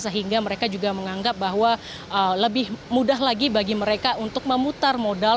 sehingga mereka juga menganggap bahwa lebih mudah lagi bagi mereka untuk memutar modal